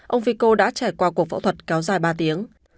ông fico đã trải qua cuộc phẫu thuật kéo dài ba tiếng